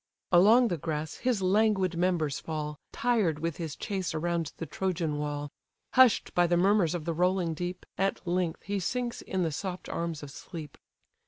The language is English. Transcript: Along the grass his languid members fall, Tired with his chase around the Trojan wall; Hush'd by the murmurs of the rolling deep, At length he sinks in the soft arms of sleep.